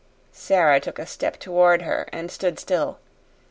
Sara took a step toward her and stood still.